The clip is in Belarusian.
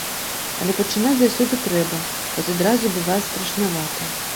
Але пачынаць заўсёды трэба, хоць адразу і бывае страшнавата.